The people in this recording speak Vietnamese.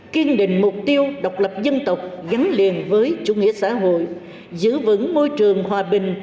kiên định mục tiêu độc lập dân tộc gắn liền với chủ nghĩa xã hội giữ vững môi trường hòa bình